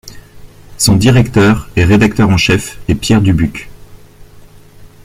Son directeur et rédacteur en chef est Pierre Dubuc.